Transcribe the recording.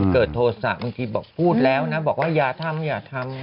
โทษโทษะบางทีบอกพูดแล้วนะบอกว่าอย่าทำอย่าทำ